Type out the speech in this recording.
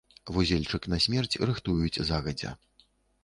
Вузельчык на смерць рыхтуюць загадзя.